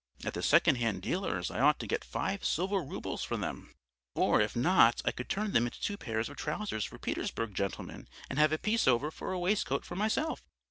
At the second hand dealer's I ought to get five silver roubles for them, or if not I could turn them into two pairs of trousers for Petersburg gentlemen and have a piece over for a waistcoat for myself.